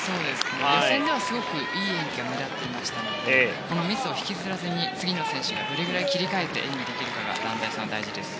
予選ではすごくいい演技でしたのでこのミスを引きずらずに次の選手がどれほど切り替えて演技できるかが団体戦は大事です。